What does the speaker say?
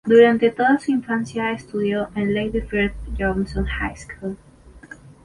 Durante toda su infancia estudió en "Lady Bird Johnson High School".